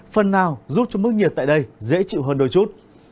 phần nào giúp cho mức nhiệt tại đây dễ chịu hơn đôi chút